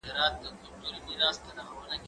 زه پرون کتابتون ته راځم وم!.